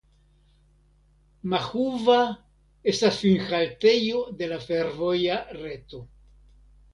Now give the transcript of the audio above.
Mahuva estas finhaltejo de la fervoja reto.